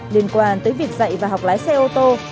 liên quan tới việc dạy và học lái xe ô tô